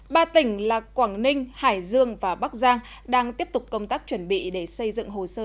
ba tỉnh là quảng ninh hải dương và bắc giang đang tiếp tục công tác chuẩn bị để xây dựng hồ sơ